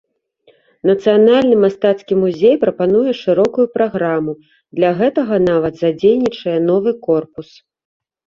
Нацыянальны мастацкі музей прапануе шырокую праграму, для гэтага нават задзейнічае новы корпус.